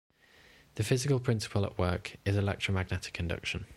The physical principle at work is electromagnetic induction.